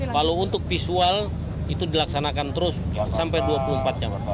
kalau untuk visual itu dilaksanakan terus sampai dua puluh empat jam pak